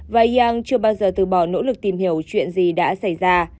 và yang chưa bao giờ từ bỏ nỗ lực tìm hiểu chuyện gì đã xảy ra